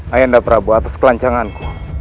ayahanda prabu atas kelancanganku